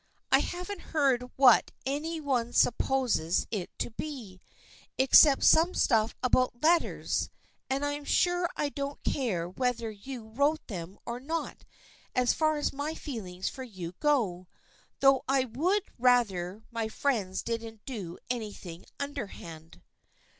I haven't heard what any one supposes it to be, except some stuff about letters, and I'm sure I don't care whether you wrote them or not as far as my feelings for you go, though I would rather my friends didn't do anything underhand."